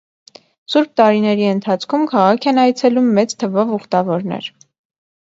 Սուրբ տարիների ընթացքում քաղաք են այցելում մեծ թվով ուխտավորներ։